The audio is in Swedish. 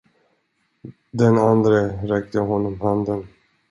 Den andre räckte honom handen.